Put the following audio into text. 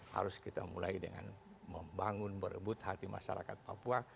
harus kita mulai dengan membangun berebut hati masyarakat papua